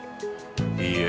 いいえ。